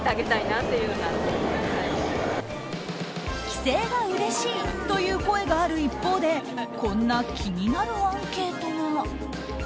帰省がうれしいという声がある一方でこんな気になるアンケートが。